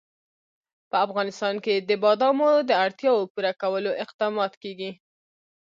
په افغانستان کې د بادامو د اړتیاوو پوره کولو اقدامات کېږي.